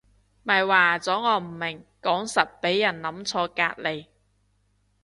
咪話咗我唔明講實畀人諗錯隔離